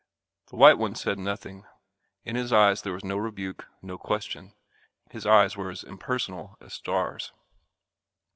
The white one said nothing. In his eyes there was no rebuke, no question. His eyes were as impersonal as stars.